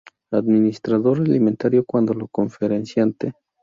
Administrador Alimentario cuando conferenciante.